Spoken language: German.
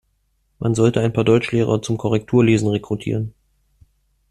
Man sollte ein paar Deutschlehrer zum Korrekturlesen rekrutieren.